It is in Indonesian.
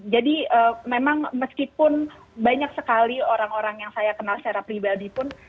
jadi memang meskipun banyak sekali orang orang yang saya kenal secara pribadi pun